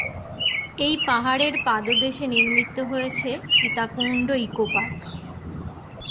এই পাহাড়ের পাদদেশে নির্মিত হয়েছে সীতাকুণ্ড ইকো পার্ক।